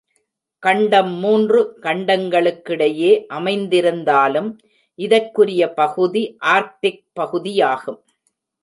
கண்டம் மூன்று கண்டங்களுக்கிடையே அமைந்திருந் தாலும், இதற்குரிய பகுதி ஆர்க்டிக் பகுதி யாகும்.